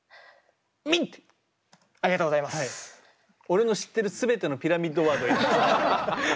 俺の知ってる全てのピラミッドワード入れた。